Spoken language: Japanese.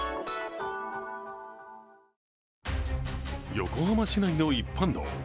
横浜市内の一般道。